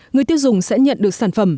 người tiêu dùng sẽ nhận được sản phẩm